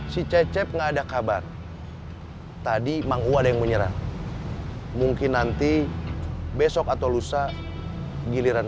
si cecep nggak ada kabar tadi menguada yang menyerah mungkin nanti besok atau lusa giliran